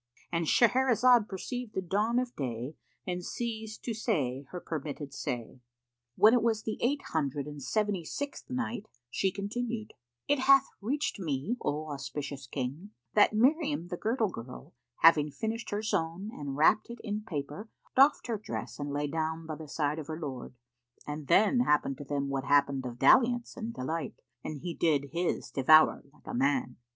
—And Shahrazad perceived the dawn of day and ceased to say her permitted say. When it was the Eight Hundred and Seventy sixth Night, She continued, It hath reached me, O auspicious King, that Miriam the Girdle girl, having finished her zone and wrapped it in paper doffed her dress and lay down by the side of her lord; and then happened to them what happened of dalliance and delight; and he did his devoir like a man.